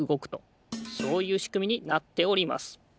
そういうしくみになっております。